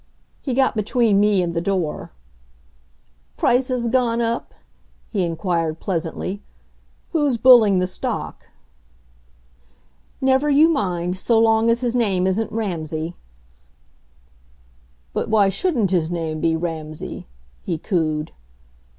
He got between me and the door. "Prices gone up?" he inquired pleasantly. "Who's bulling the stock?" "Never you mind, so long as his name isn't Ramsay." "But why shouldn't his name be Ramsay?" he cooed.